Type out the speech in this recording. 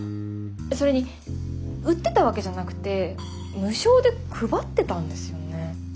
それに売ってたわけじゃなくて無償で配ってたんですよね。